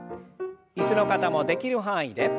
椅子の方もできる範囲で。